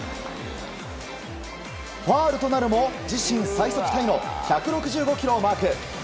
ファウルとなるも自身最速タイの１６５キロをマーク！